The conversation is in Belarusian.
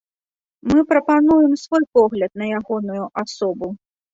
Мы прапануем свой погляд на ягоную асобу.